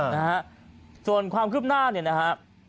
นะฮะส่วนความคืบหน้าเนี่ยนะฮะ